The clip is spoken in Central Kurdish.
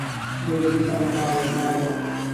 بۆی بکهم ماڵهوماڵێ